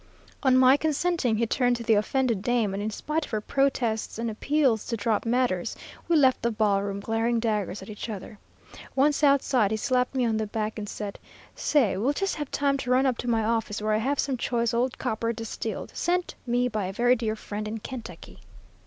"On my consenting, he turned to the offended dame, and in spite of her protests and appeals to drop matters, we left the ballroom, glaring daggers at each other. Once outside, he slapped me on the back, and said, 'Say, we'll just have time to run up to my office, where I have some choice old copper distilled, sent me by a very dear friend in Kentucky.'